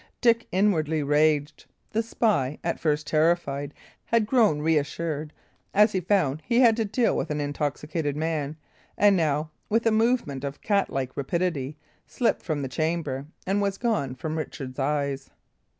Dick inwardly raged. The spy, at first terrified, had grown reassured as he found he had to deal with an intoxicated man, and now, with a movement of cat like rapidity, slipped from the chamber, and was gone from Richard's eyes.